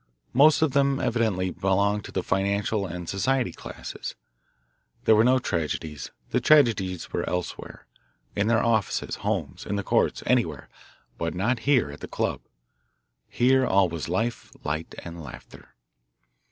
Most of them evidently belonged to the financial and society classes. There were no tragedies; the tragedies were elsewhere in their offices, homes, in the courts, anywhere, but not here at the club. Here all was life, light, and laughter.